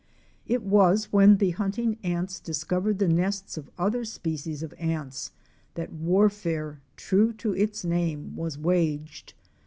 It was when the hunting ants discovered the nests of other species of ants that warfare, true to its name, was waged.